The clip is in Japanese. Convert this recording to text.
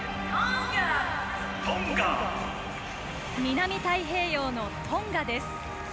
南太平洋のトンガです。